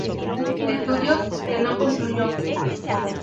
Estudios que no concluyó.